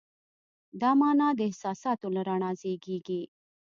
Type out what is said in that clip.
دا مانا د احساساتو له رڼا زېږېږي.